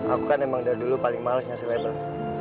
aku kan emang dari dulu paling males ngasih label